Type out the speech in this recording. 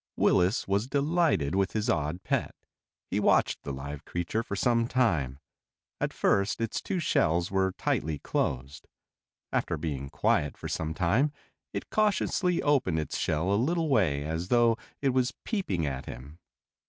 Willis was delighted with his odd pet. He watched the live creature for some time. At first its two shells were tightly closed. After being quiet for some time it cautiously opened its shell a little way as though it was peeping at him.